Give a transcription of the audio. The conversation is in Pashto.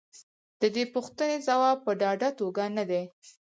د دې پوښتنې ځواب په ډاډه توګه نه دی.